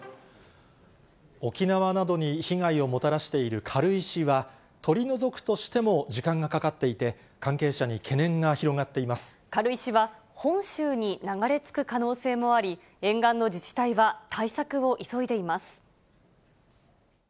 沖縄などに被害をもたらしている軽石は、取り除くとしても時間がかかっていて、関係者に懸念軽石は、本州に流れ着く可能性もあり、沿岸の自治体は対策を急いでいます。